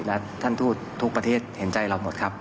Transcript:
และท่านทูตทุกประเทศเห็นใจเราหมดครับ